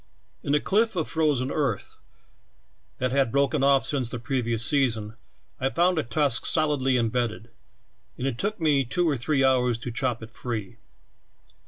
In a cliff of frozen earth, that hab broken off since the previous sea son, I found a tusk solidly em bedded and it took me two or three hours to chop it free.